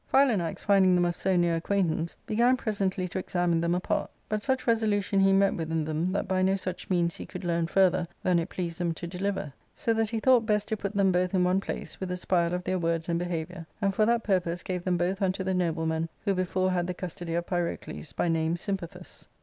Philanax, finding them of so near acquaintance, began presently to examine them apart ; but such resolution he met with in them that by • no such means he could learn further than it pleased them to deliver, so that he thought best to put them both in one place, with espial of their words and behaviour, and for that purpose gave them both unto the nobleman who before had the custody of Pyrocles, by name Sympathus.